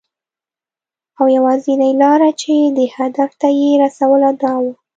او یوازېنۍ لاره چې دې هدف ته یې رسوله، دا وه .